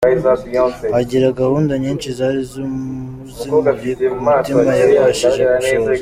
Hari gahunda nyinshi zari zimuri ku mutima yabashije gusohoza.